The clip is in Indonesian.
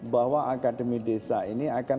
bahwa akademi desa ini akan